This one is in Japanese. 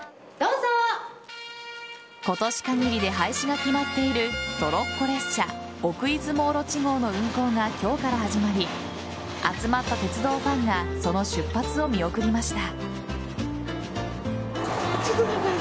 今年限りで廃止が決まっているトロッコ列車奥出雲おろち号の運行が今日から始まり集まった鉄道ファンがその出発を見送りました。